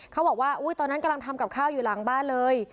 เขาบอกว่าตอนนั้นกำลังทำกับข้าวอยู่หลังบ้านเลย